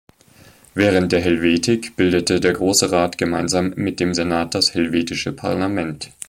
Während der Helvetik bildete der Grosse Rat gemeinsam mit dem Senat das helvetische Parlament.